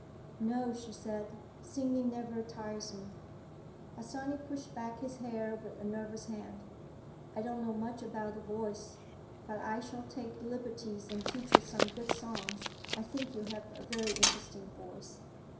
"No," she said, "singing never tires me." Harsanyi pushed back his hair with a nervous hand. "I don't know much about the voice, but I shall take liberties and teach you some good songs. I think you have a very interesting voice."